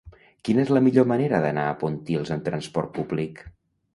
Quina és la millor manera d'anar a Pontils amb trasport públic?